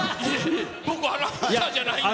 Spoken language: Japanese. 僕アナウンサーじゃないんで。